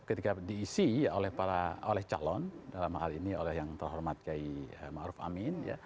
ketika diisi oleh calon dalam hal ini oleh yang terhormat kaya maruf amin